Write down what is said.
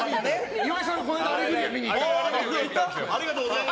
岩井さん、この間「アレグリア」見に行ったから。